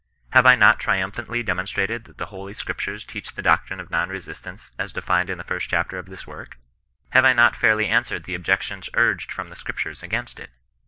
Have I not triumphantly demonstrated that the Holy Scrip CHRISTIAN NON RESISTANCE. 73 tures teach the doctrine of non resistance as defined in the first chapter of this work ? Have I not fairly an swered the objections urged from the Scriptures against it